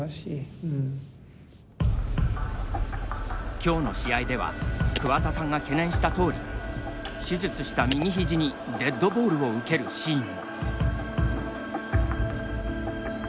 きょうの試合では桑田さんが懸念したとおり手術した右ひじにデッドボールを受けるシーンも。